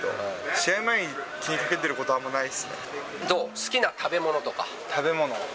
試合前に気にかけてることはあん好きな食べ物とか。